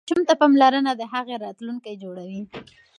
ماسوم ته پاملرنه د هغه راتلونکی جوړوي.